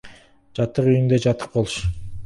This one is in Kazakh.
Жатық үйінде жатық бол.